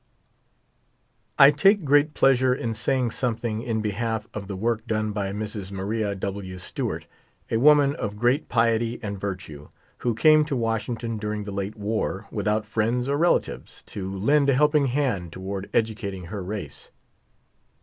I take great pleasure in saying something in behalf of the work done by Mrs. Maria W. Stewart, a woman of great piety and virtue, who came to Washington during the late war, without friends or relatives, to lend a help ing hand toward educating her race.